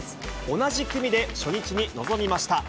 同じ組で初日に臨みました。